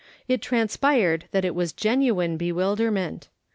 It transpired that it was genuine bewilderment.